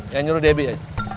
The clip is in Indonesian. yang nyuruh debbie